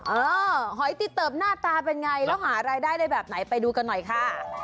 หอยตีเติบหน้าตาเป็นไงแล้วหารายได้ได้แบบไหนไปดูกันหน่อยค่ะ